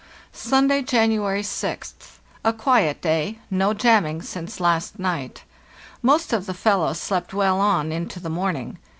"Sunday, January 6th. A quiet day; no jamming since last night. Most of the fellows slept well on into the morning.